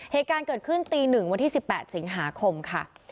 เหตุการณ์เกิดขึ้นตี๑วันที่๑๘สิงหาคมค่ะ